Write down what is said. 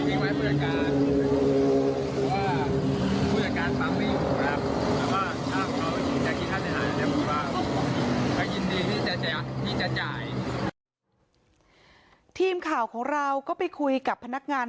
ยินดีที่จะจะที่จะจ่ายทีมข่าวของเราก็ไปคุยกับพนักงาน